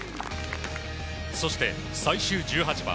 そして、最終１８番。